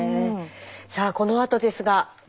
さあこのあとですが。